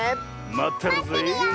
まってるよ！